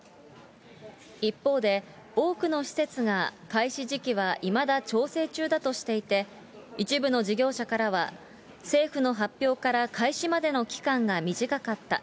一方で、多くの施設が開始時期はいまだ調整中だとしていて、一部の事業者からは、政府の発表から開始までの期間が短かった。